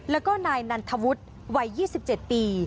แล้วก็นายนันทวุฒิวัย๒๗ปี